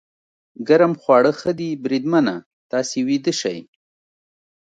ګرم خواړه ښه دي، بریدمنه، تاسې ویده شئ.